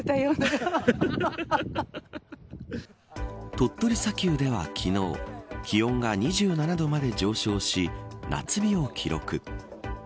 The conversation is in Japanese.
鳥取砂丘では昨日気温が２７度まで上昇し夏日を記録。